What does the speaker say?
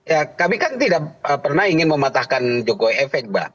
ya kami kan tidak pernah ingin mematahkan jokowi efek mbak